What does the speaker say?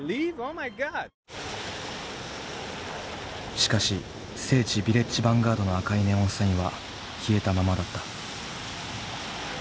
しかし聖地ヴィレッジ・ヴァンガードの赤いネオンサインは消えたままだった。